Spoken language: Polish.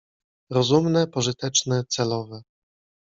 Rozumne, pożyteczne — celowe.